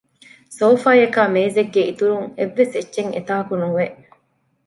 ސޯފާއަކާއި މޭޒެއްގެ އިތުރުން އެއްވެސް އެއްޗެއް އެތާކު ނުވެ